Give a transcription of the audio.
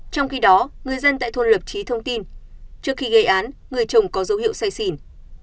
trong khi đó người dân tại thôn lập trí thông tin trước khi gây án người chồng có dấu hiệu say xỉn